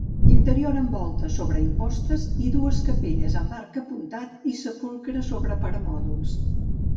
Interior amb volta sobre impostes i dues capelles amb arc apuntat i sepulcre sobre permòdols.